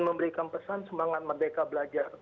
memberikan pesan semangat merdeka belajar